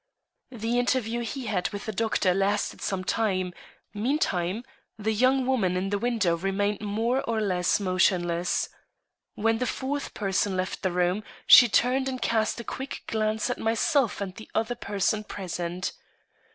The interview he had with the doctor lasted some time; meantime, the young woman in the window remained more or less motionless. When the fourth person left the room, she turned and cast a quick glance at myself and the other person present.